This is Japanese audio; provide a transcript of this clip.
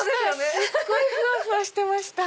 すっごいふわふわしてました。